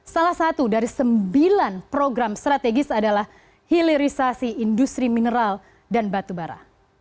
salah satu dari sembilan program strategis adalah hilirisasi industri mineral dan batu bara